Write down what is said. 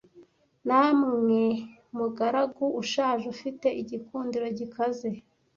namwe mugaragu ushaje ufite igikundiro gikaze